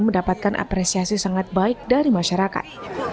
mendapatkan apresiasi sangat baik dari masyarakat